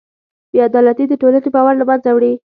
بېعدالتي د ټولنې باور له منځه وړي.